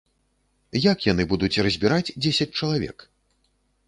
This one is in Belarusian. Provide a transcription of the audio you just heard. Як яны будуць разбіраць дзесяць чалавек?